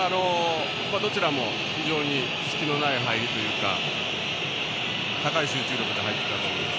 どちらも、非常に隙のない入りというか高い集中力で入っていったと思います。